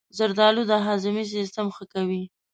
زردآلو د هاضمې سیستم ښه کوي.